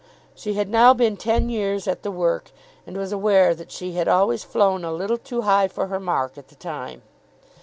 She had now been ten years at the work, and was aware that she had always flown a little too high for her mark at the time.